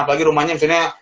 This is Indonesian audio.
apalagi rumahnya misalnya